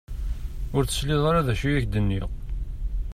Ur tesliḍ ara d acu i ak-d-nniɣ.